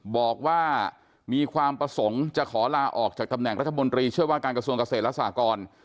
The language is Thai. บอกว่ามีความประสงค์จะขอลาออกจากตำแหน่งรัฐมนตรีช่วยว่าการกระทรวงเกษตรและสากร